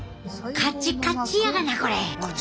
かちかちやがなこれ！